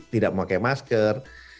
tidak memakai masker